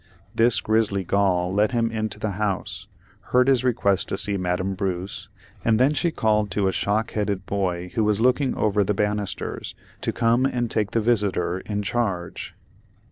This grizzly Gaul let him into the house, heard his request to see Madame Bruce, and then she called to a shock headed boy who was looking over the bannisters, to come and take the visitor in charge.